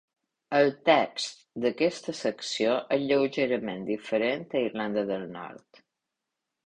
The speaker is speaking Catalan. El text d'aquesta secció és lleugerament diferent a Irlanda del Nord.